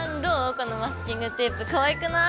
このマスキングテープかわいくない？